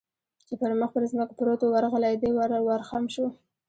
چې پر مخ پر ځمکه پروت و، ورغلی، دی ور خم شو.